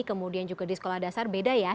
kemudian juga di sekolah dasar beda ya